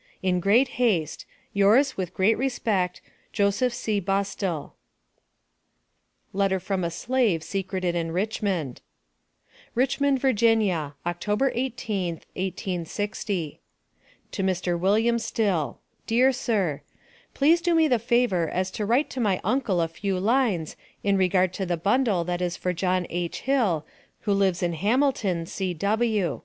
In great haste, Yours with great respect, Jos. C. BUSTILL, LETTER FROM A SLAVE SECRETED IN RICHMOND. RICHMOND, VA, Oct. 18th, 1860. To MR. WILLIAM STILL: Dear Sir Please do me the favor as to write to my uncle a few lines in regard to the bundle that is for John H. Hill, who lives in Hamilton, C.W.